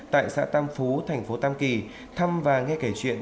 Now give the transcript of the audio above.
tại xã tam phú thành phố tam kỳ thăm và nghe kể chuyện